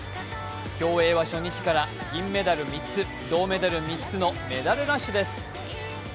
競泳は初日から銀メダル３つ、銅メダル３つのメダルラッシュです。